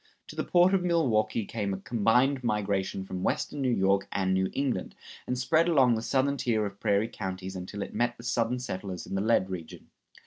To the port of Milwaukee came a combined migration from western New York and New England, and spread along the southern tier of prairie counties until it met the Southern settlers in the lead region.